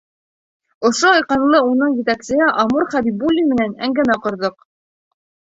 Ошо айҡанлы уның етәксеһе Амур ХӘБИБУЛЛИН менән әңгәмә ҡорҙоҡ.